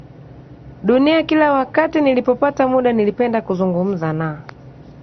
dunia Kila wakati nilipopata muda nilipenda kuzungumza na